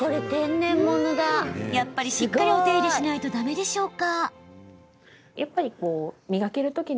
やっぱりしっかりお手入れしないとだめですか？